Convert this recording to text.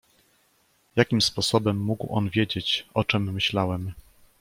"Jakim sposobem mógł on wiedzieć, o czem myślałem?"